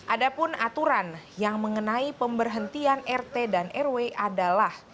ada pun aturan yang mengenai pemberhentian rt dan rw adalah